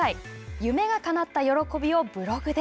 夢がかなった喜びをブログで。